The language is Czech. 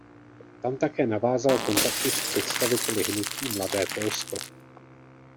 Tam také navázal kontakty s představiteli hnutí "Mladé Polsko".